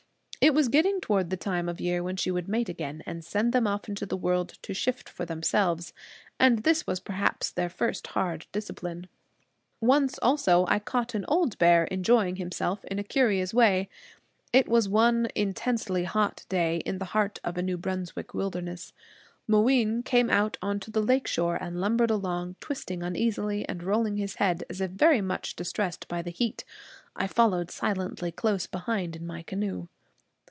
It was getting toward the time of year when she would mate again, and send them off into the world to shift for themselves. And this was perhaps their first hard discipline. Once also I caught an old bear enjoying himself in a curious way. It was one intensely hot day, in the heart of a New Brunswick wilderness. Mooween came out onto the lake shore and lumbered along, twisting uneasily and rolling his head as if very much distressed by the heat. I followed silently close behind in my canoe.